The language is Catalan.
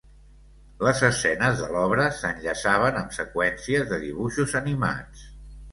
Les escenes de l'obra s'enllaçaven amb seqüències de dibuixos animats.